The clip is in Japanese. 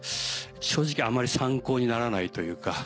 正直あまり参考にならないというか。